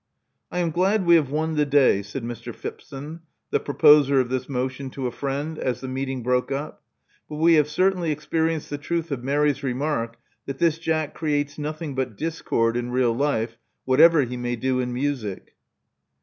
I am glad we have won the day," said Mr. Phipson, the proposer of this motion, to a friend, as the meeting broke up; but we have certainly experienced the truth of Mary's remark that this Jack creates nothing but discord in real life, whatever he may do in music."